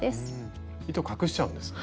糸隠しちゃうんですね。